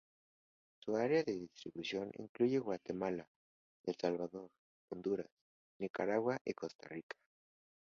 Su área de distribución incluye Guatemala, El Salvador, Honduras, Nicaragua y Costa Rica.